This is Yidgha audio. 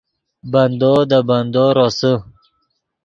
بندو دے بندو روسے